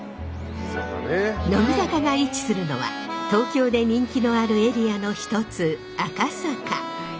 乃木坂が位置するのは東京で人気のあるエリアの一つ赤坂。